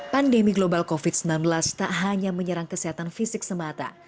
pandemi global covid sembilan belas tak hanya menyerang kesehatan fisik semata